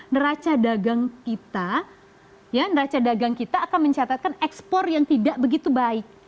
maka neraca dagang kita akan mencatatkan ekspor yang tidak begitu baik